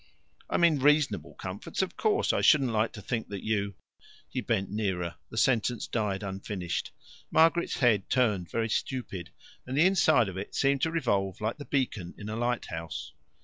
"I mean reasonable comforts, of course. I shouldn't like to think that you " He bent nearer; the sentence died unfinished. Margaret's head turned very stupid, and the inside of it seemed to revolve like the beacon in a lighthouse.